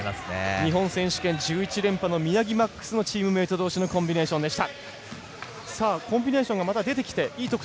日本選手権１１連覇の宮城ＭＡＸのチームメートどうしのコンビネーションでした。